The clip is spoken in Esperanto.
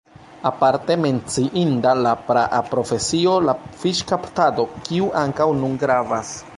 Aparte menciinda la praa profesio la fiŝkaptado, kiu ankaŭ nun gravas.